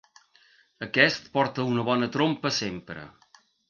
Aquest porta una bona trompa sempre.